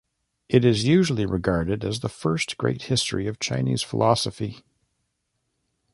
It is usually regarded as the first great history of Chinese philosophy.